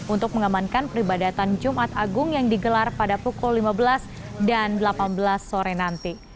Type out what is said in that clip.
untuk mengamankan peribadatan jumat agung yang digelar pada pukul lima belas dan delapan belas sore nanti